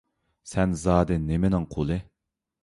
سەن زادى نېمىنىڭ قۇلى؟